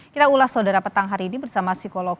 kita ulas saudara petang hari ini bersama psikolog